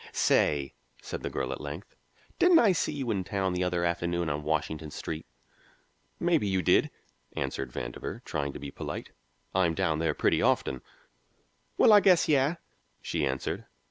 "Say," said the girl at length, "didn't I see you in town the other afternoon on Washington Street?" "Maybe you did," answered Vandover, trying to be polite. "I'm down there pretty often." "Well, I guess yes," she answered.